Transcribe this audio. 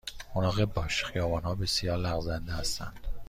مراقب باش، خیابان ها بسیار لغزنده هستند.